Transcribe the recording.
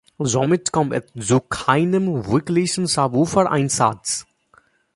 Somit kommt es zu keinem wirklichen Subwoofer-Einsatz.